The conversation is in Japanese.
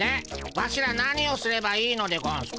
わしら何をすればいいのでゴンスか？